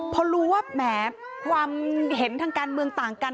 พอรู้ว่าแหมความเห็นทางการเมืองต่างกัน